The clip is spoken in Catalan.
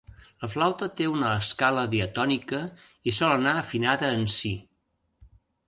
La flaüta té una escala diatònica i sol anar afinada en Si.